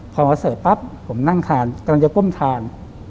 พอมาเสิร์ฟปั๊บผมนั่งทานกำลังจะก้มทาน